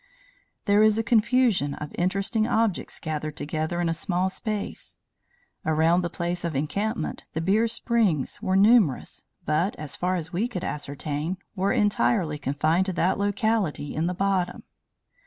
There is a confusion of interesting objects gathered together in a small space. Around the place of encampment the Beer Springs were numerous but, as far as we could ascertain, were entirely confined to that locality in the bottom.